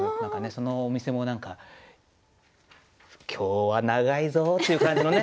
そのお店も何か「今日は長いぞ！」っていう感じのね